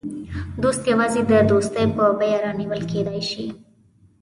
دوست یوازې د دوستۍ په بیه رانیول کېدای شي.